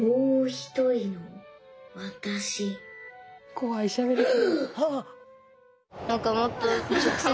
怖いしゃべり方。